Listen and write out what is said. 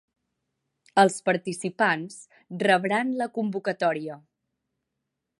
Els participants rebran la convocatòria.